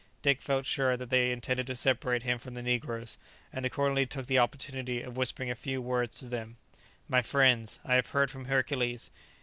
Dick felt sure that they intended to separate him from the negroes, and accordingly took the opportunity of whispering a few words to them. "My friends, I have heard from Hercules.